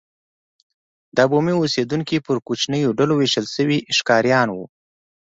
دا بومي اوسېدونکي پر کوچنیو ډلو وېشل شوي ښکاریان وو.